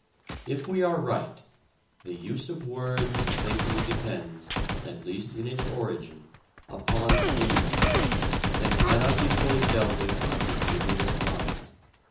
If we are right, the use of words in thinking depends, at least in its origin, upon images, and cannot be fully dealt with on behaviourist lines.